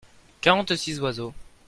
quarante six oiseaux.